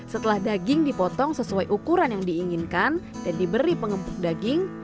setelah daging dipotong sesuai ukuran yang diinginkan dan diberi pengepuk daging